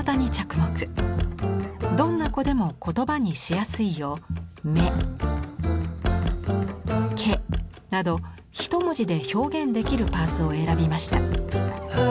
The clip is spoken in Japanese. どんな子でも言葉にしやすいようなど１文字で表現できるパーツを選びました。